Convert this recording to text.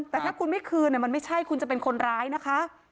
แต่ถ้าคุณไม่คืนมันไม่ใช่คุณจะเป็นคนร้ายนะคะ